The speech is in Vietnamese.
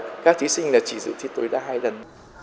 rồi các thí sinh chỉ giữ thi tối đa hai lần